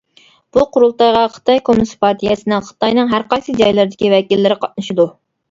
بۇ قۇرۇلتايغا خىتاي كوممۇنىست پارتىيەسىنىڭ خىتاينىڭ ھەرقايسى جايلىرىدىكى ۋەكىللىرى قاتنىشىدۇ.